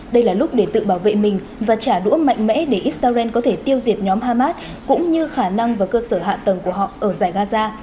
đây là lúc để tự bảo vệ mình và trả đũa mạnh mẽ để israel có thể tiêu diệt nhóm hamas cũng như khả năng và cơ sở hạ tầng của họ ở giải gaza